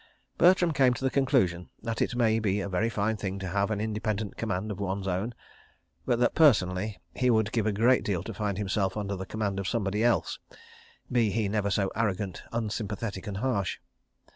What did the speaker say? ... Bertram came to the conclusion that it may be a very fine thing to have an independent command of one's own, but that personally he would give a great deal to find himself under the command of somebody else—be he never so arrogant, unsympathetic and harsh.